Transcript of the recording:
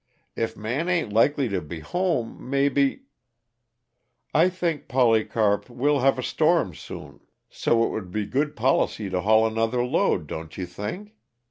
If Man ain't likely to be home, mebby " "I think, Polycarp, well have a storm soon. So it would be good policy to haul another load, don't you think?